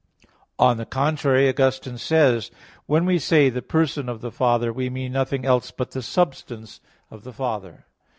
On the contrary, Augustine says (De Trin. vi, 7): "When we say the person of the Father we mean nothing else but the substance of the Father."